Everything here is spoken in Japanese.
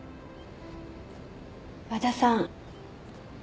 和田さん。